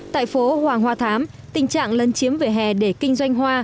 tại phố hoàng hoa thám tình trạng lấn chiếm vỉa hè để kinh doanh hoa